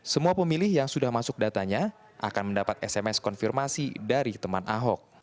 semua pemilih yang sudah masuk datanya akan mendapat sms konfirmasi dari teman ahok